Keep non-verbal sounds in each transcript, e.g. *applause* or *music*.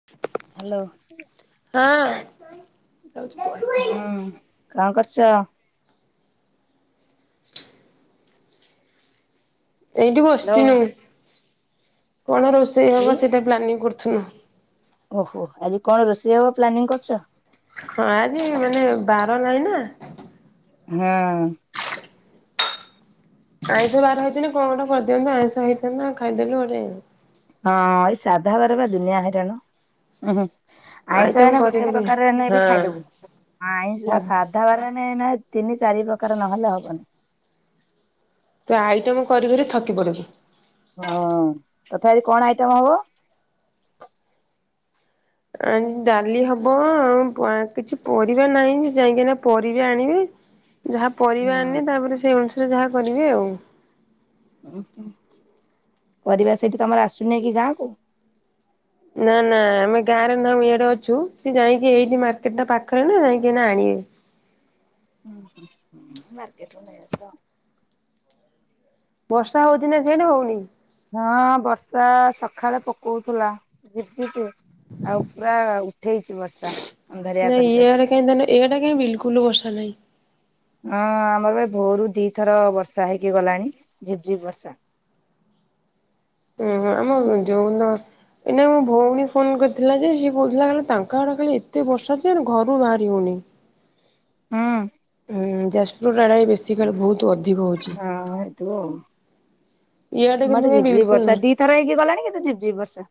*unintelligible* Hello! ହଁ। ହୁଁ କଣ କରୁଚ? *unintelligible* ଏଇଠି ହ୍ୟାଲୋ ବସି ଆଉ କଣ ରୋଷେଇ ହେବ ସେଇଟା ପ୍ଲାନିଂ କରୁଥୁନୁ। ଓହୋ ଆଜି କଣ ରୋଷେଇ ହବ ପ୍ଲାନିଂ କରୁଚ। ହଁ ଆଜି ମାନେ ବାର ନାହିଁ ନା। ହଁ। ଆଇଁଷ ବାର ହେଇଥିନେ କଁ ଗୋଟେ କରିଦିଅନ୍ତୁ ଆଇଁଷ ହେଇଥାନ୍ତା ଖାଇଦେଲୁ ଗୋଟେ ହଁ ଏଇ ସାଧା ବାରେ ବା ଦୁନିଆ ହଇରାଣ। ଉୁଁ ହୁଁ ଆଇଁଷ ଆଇଟମ ହେନେ ଗୋଟେ କରିକିରି ପ୍ରକାର ହେନେ ବି ହଁ ଖାଇଦବୁ ଆଇଁଷ ସାଧା ତାର ଏନେ ଏଇନା ତିନି ଚାରି ପ୍ରକାର ନହେଲେ ହବନି। ତୁ ଆଇଟମ୍ କରିିକରି ଥକି ପଡିବୁ। ହଁ ତଥାପି କଣ ଆଇଟମ୍ ହବ? ଆ ଡାଲି ହବ ଆଉ ପ କିଛି ପରିବା ନାହିଁ ଯାଇଁକିନା ପରିବା ଆଣିବେ ଯାହା ପରିବା ହୁଁ। ଆନେ ତାପରେ ସେଇ ଅନୁସାରେ ଯାହା କରିବେ ଆଉ। ଉଁ ହୁଁ ପରିବା ସେଇଠି ତମର ଆସୁନେଇ କି ଗାଁକୁ? ନା ନା ଆମେ ଗାଁରେ ନାହୁ ଇଆଡେ ଅଛୁ ସେ ଯାଇଁକି ଏଇନି ମାର୍କେଟ ଟା ପାଖରେ ନା ଯାଇକି ଏନା ଆଣିବେ। ହୁଁ ହୁଁ ମାର୍କେଟରୁ ନେଇ ଆସିବ। ବର୍ଷା ହଉଚି ନା ସିଆଡେ ହଉନି? ହଁ ବର୍ଷା ସଖାଳେ ପକଉଥିଲା ଝିପି ଝିପି ଆଉ ପୁରା ଉଠେଇଚି ବର୍ଷା ଅନ୍ଧାରିଆ କରିକି ଅଛି। ଏଇଆଡ଼େ କାଇଁ ବିଲକୁଲ ବର୍ଷା ନାଇଁ। ହଁ ଆମର ଏ ଭୋରୁ ଦି ଥର ବର୍ଷା ହେଇକି ଗଲାଣି ଝିପଝିପ ବର୍ଷା। ଉଁ ହୁଁ ଆମ ଯଉନ ଏଇନା ମୋ ଭଉଣୀ ଫୋନ୍ କରିଥିଲା ଯେ ସିଏ କହୁଥିଲା ତାଙ୍କ ଆଡ଼େ ଖାଲି ଏତେ ବର୍ଷ ଅ ଯେ ଆ ଘରୁ ବାହାରି ହଉନି। ହୁଁ। ହୁଁ ଯାଜପୁର ଆଡ଼େ ହିଁ ବେଶି ସେଇଟି କଳେ ବହୁତ ଅଧିକ ହଉଛି ହଁ ହେଇଥିବ ଆଉ ଇଆଟେ ଆମ ଆଡେ କିନ୍ତୁ ଝିପ୍ ଝିପ୍ ବିଲକୁଲ ବର୍ଷା ନାହିଁ। ଦିଥର ହେଇକି ଗଲାଣି କିନ୍ତୁ ଝିପି ଝିପି ବର୍ଷା।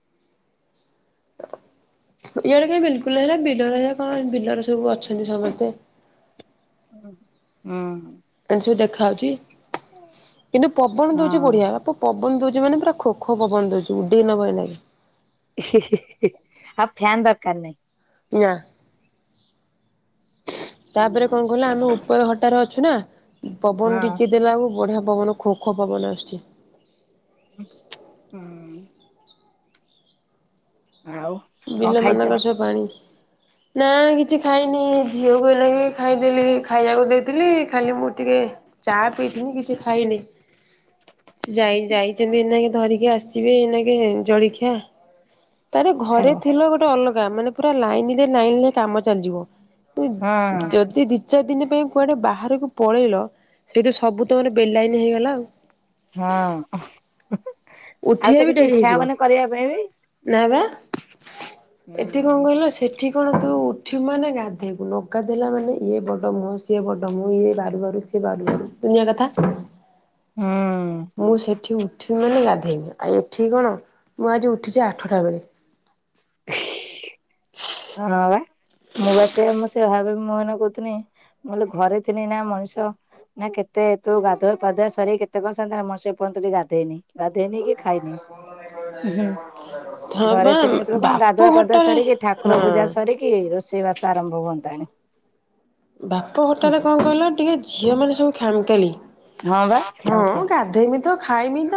ଇଆଡେ ବି ବିଲକୁଲ ହେଲା ବିଲର କଣ ବିଲରେ ସବୁ ଅଛନ୍ତି ସମସ୍ତେ ହୁଁ। ଏ ନ୍ତି ସବୁ ଦେଖାହେଉଚି କିନ୍ତୁ ପବନ ଦଉଚି ହଁ ବଢିଆ ପ ପବନ ଦଉଚି ମାନେ ପୁରା ଖୋ ଖୋ ପବନ ଦଉଚି ଉଡ଼େଇ ନେବ ଏଇନାକେ। ଆଉ ଫ୍ୟାନ ଦରକାର ନାହିଁ। ନା। ତାପରେ କଁ କହିଲ ଆମେ ଉପର ଘରଟାରେ ଅଛୁ ନା ପବନ ହଁ ଟିକେ ଦେଲାଅଳକୁ ବଢିଆ ପବନ ଖୋ ଖୋ ପବନ ଆସୁଚି। ହୁଁ ହଁ। ଆଉ କଣ ଖାଇଛ? ବିଲମାନଙ୍କରେ ସବୁ ପାଣି ନା କିଛି ଖାଇନି ଝିଅକୁ ହେଲ କି ଖାଇଦେଲି ଖାଇବାକୁ ଦେଇଥିଲି ଖାଲି ମୁଁ ଟିକେ ଚା ପିଇଥିଲି କିଛି ଖାଇନି ଯାଇ ଯାଇଛଲଚନ୍ତି ଏନାକେ ଧରିକି ଆସି ଯିବେ ଏଇନାକେ ଜଳଖିଆ ତା ପରେ ଖାଇବ ଘରେ ଥିଲେ ଗୋଟେ ଅଲଗା ମାନେ ପୁରା ଲାଇନ ରେ ଲାଇନ ରେ କାମ ଚାଲିଯିବ ହଁ ଯଦି ଦି ଚାରି ଦିନ ପାଇଁ କୁଆଡେ ବାହାରକୁ ପଳେଇଲ ସେଇଠି ସବୁ ତମର ବେଲାଇନ ହେଇଗଲା ଆଉ। ହଁ ଆଉ ଉଠିବା ତ ବି କିଛି ଡେରି ଇଛା ହେଇଯିବ। ହବନି କରିବା ପାଇଁ ବି। ନା ବା ଏଠି କଅଁ ହୁଁ କହିଲ ସେଠ ଏଠି କଣ ତୁ ଉଠି ବୁ ମାନେ ଗାଧେଇବକୁ ନ ଗାଧୋଇଲା ମାନେ ଇଏ ବଡ଼ ମୋହ ସିଏ ବଡ଼ ମୁଁ ଇଏ ବାରୁ ବାରୁ ଦୁନିଆ କଥା ହଁ। ମୁଁ ସେଠି ଉଠିବି ମାନେ ଗାଧୋଇବଆଉ ଏଠି କଣ ମୁଁ ଆଜି ଉଠିଛି ଆଠଟା ବେଳେ *inaudible* ହଁ ବା ମୁଁ ବାସ ମୁଁ ସେ ଭାବେ ମୁଁ ଏ କହୁଥିଲି ମୁଲେ ଘରେ ଥିଲି ନା ମଣିଷ ନା କେତେ ତୁ ଗାଧୋଇ ପାୁଆ ସରି କେତେ କଣ ସେ ପନ୍ତ ଟ ଗାଧୋଇେଇନି ଗାଧେଇନି କି ଖାଇନି ହୁଁ ହଁ ବା ଘରେ ନ ଯେତେବେଳେ କଣ ବାପ ଗାଧୁଆ ପାଧୁଆ ଘଟାରେ ସରିକି ଠାକୁ ଠାକୁର ହଁ ପୂଜା ସରିକି ରୋଷେଇ ବାସ ଆରମ୍ଭ ହୁଅନ୍ତାଣି ବାପ ଘରଟାରେ କଣ କହିଲ ଟିକେ ଝିଅ ମାନେ ସବୁ ଖାମ୍ ଖାଲି ହଁ ବା ହଁ ଖାମଖିଆଲି ଗାଧେଇମି ତ ଖାଇମି ତ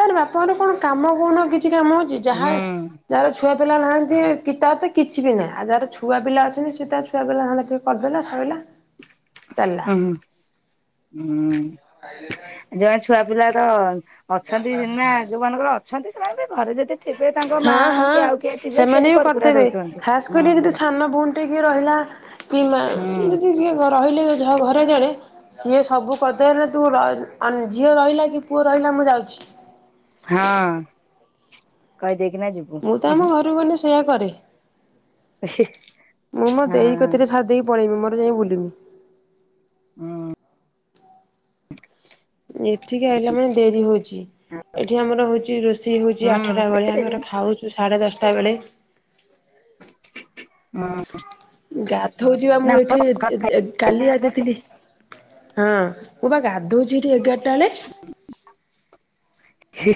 ତାର ବାପାଘରେ କଣ କାମ କୋଉନ କିଛି କାମ ଅଛି ଯାହା ହୁଁ ଯାହାର ଛୁଆ ପିଲା ନାହାନ୍ତି କିତାରତ କିଛି ବି ନାହିଁ ଆଉ ଯାହାର ଛୁଆ ପିଲା ଅଛନ୍ତି ସେତାର ଛୁଆ ପିଲା ଧଦ୍ଦା ଟିକେ କରିଦେଲା ସ ସଇଲା ଚାଲିଲା। ହୁଁ ହୁଁ। ଖାଇଲେ ନାଇଁ। ଜହାର ଛୁଆ ପିଲା ତ ଅଛନ୍ତି ନା ଯୋଉ ମାନଙ୍କର ଅଛନ୍ତି ସେମାନେ ବି ଘରେ ଯେତେ ଥିବେ ତାଙ୍କ ମା ହଁ ହଁ କି ଆଉ କିଏ ଥିବେ ସେମାନେ ସିଏବି ବି କରିକୁରା ଦଉଛନ୍ତିଁ ହୁଁ। ଗୋଟେ କିଏ ରହିଲା କି ମା ହୁଁ। ଯଦି କିଏ ରହିଲେ ଘରେ ଜଣେ ସିଏ ସବୁ କରିଦେବେ ତୁ ଝିଅ ରହିଲା କି ପୁଅ ରହିଲା ମୁଁ ଯାଉଚି। ହଁ କହିଦେଇକିନା ଯିବୁ। ମୁଁ ତ ହଁ ଆମ ଘରକୁ ଗଲେ ସେଇୟା କରେ। ମୁଁ ମୋ ଦେଇ କତିରେ ଛାଡ଼ିଦେଇକି ପଳେଇମି ମୋର ଯାଇ ବୁଲିମି। ହଁ। ଏଠିକି ଆଇଲା ମାନେ ଡେରି ହଉଚି। ଏଠି ଆମର ହଉଚି ରୋଷେଇ ହେଉଚି ହୁଁ ଆଠଟା ବେଳେ ଆମେ ସେ ଏଠି ଖାଉଚୁ ସାଢ଼େ ଦଶଟା ବେଳେ। ଗାଧଉଚିପା ମୁଁ ନା ଏଇଠି ପଖାଳ ଖାଇ ଏ କାଲି ଗାଧେଇ ଥିଲି ହଁ ମୁଁ ବା ଗାଧୋଉଚି ଏଠି ଏଗାରଟା ବେଳେ। *unintelligible*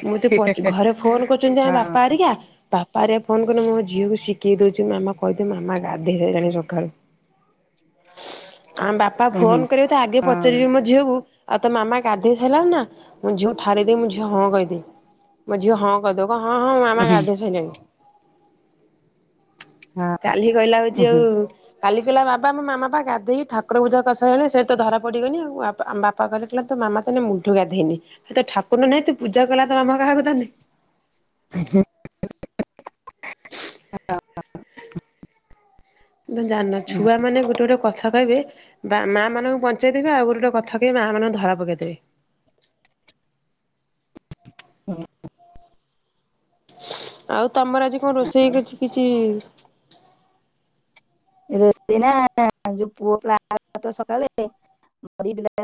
ମଁତେ ଘରେ ଫୋନ୍ କରୁଛନ୍ତି ଆମ ହଁ ବାପା ଆରିକା ବାପା ଅରିକା ଫୋନ୍ କଲେ ମୋ ଝିଅକୁ ଶିଖେଇ ଦଉଚି ମାମା କହିଦେ ମାମା ଗାଧେଇ ସାରିଲାଣି ସଖାଳୁ। ଆମ ବାପା ଉହୁଁ ଫୋନ୍ କରିବେତ ଆଗେ ହଁ ପଚାରିବେ ମୋ ଝିଅକୁ ଆଉ ତ ମାମା ଗାଧେଇ ସାରିଲା ନା ମୁଁ ଝିଅ ଠାରି ଦେଇ ମୁଁ ଝିଅ ହଁ କହି ମୋ ଝିଅ ହଁ କହିଦବ କହିବ ହଁ ହଁ ମାମା ଉହୁଁ ଗାଧେଇ ସାଇଲାଣି। ହଁ କାଲି କହିଲା ହଉଚି ଉହୁଁ ଆଉ କାଲି କଇଲା ବାବା ମୋ ମାମାପା ଗାଧୋଇକି ଠାଙ୍କୁର ପୂଜା କରିସାଇଲାଣି ସେଇଟି ତ ଧରା ପଡ଼ିଗନି ଆମ ବାପା ତା ବାପା କତିରେ କଇଲା ତ ମାମ ତାନେ ମୁଳୁଠୁ ଗାଧେଇନି ତ ଠାକୁର ନାହିଁ ତୁ ପୂଜା କଲା ତ ମାମା କାହାକୁ ତାହାନେ। *unintelligible* *unintelligible* ତମେ ଜାଣିନ ଛୁଆ ମାନେ ଗୋଟେ ଗୋଟେ କଥା କହିବେ ବା ମାଆ ମାନଙ୍କୁ ପଞ୍ଚେଇ ଦେବେ ଆଉ ଗୋଟେ ଗଟେ କଥା କହିବେ ମାଆ ମାନଙ୍କୁ ଧରା ପକେଇ ଦେବେ। ହୁଁ। ଆଉ ତମର ଆଜି କଣ ରୋଷେଇ କଛି କିଛି ରୋଷେଇ ନାଁ ଯୋଉ ପୁଅ ପ୍ଲା *inaudible* ତ ସକାଳେ *inaudible* ‌ ମରି ବିଲା